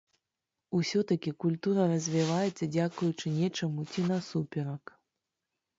Усё такі, культура развіваецца дзякуючы нечаму ці насуперак?